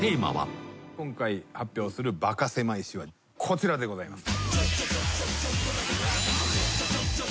今回発表するバカせまい史はこちらでございます。